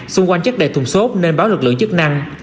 xung quanh chất đề thùng sốt nên báo lực lượng chức năng